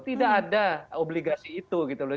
tidak ada obligasi itu gitu loh